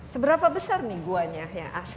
seberapa besar nih gua nya yang asli